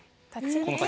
この先。